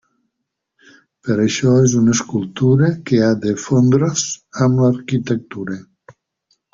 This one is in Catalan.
Per això és una escultura que ha de fondre's amb l'arquitectura.